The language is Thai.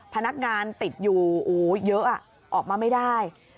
พนักงานติดอยู่เยอะออกมาไม่ได้